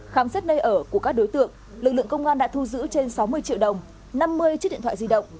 khám xét nơi ở của các đối tượng lực lượng công an đã thu giữ trên sáu mươi triệu đồng năm mươi chiếc điện thoại di động